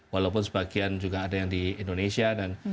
walaupun sebagian juga ada yang di indonesia